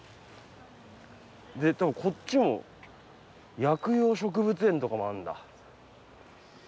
でこっちも薬用植物園とかもあるんだ。